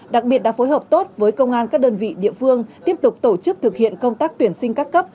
đặc biệt đã phối hợp tốt với công an các đơn vị địa phương tiếp tục tổ chức thực hiện công tác tuyển sinh các cấp